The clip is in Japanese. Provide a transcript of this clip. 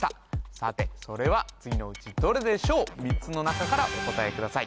さてそれは次のうちどれでしょう３つの中からお答えください